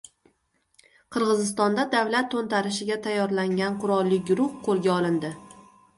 Qirg‘izistonda davlat to‘ntarishiga tayyorlangan qurolli guruh qo‘lga olindi